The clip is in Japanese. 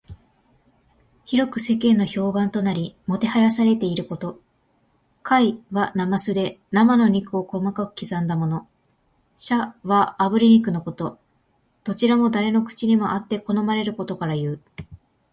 広く世間の評判となり、もてはやされていること。「膾」はなますで、生の肉を細かく刻んだもの。「炙」はあぶり肉のこと。どちらも誰の口にもあって好まれることからいう。